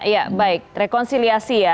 ya baik rekonsiliasi ya